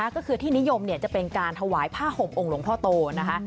ก็คือที่นิยมจะเป็นการถวายผ้าห่มองค์หลวงพ่อโตนะคะ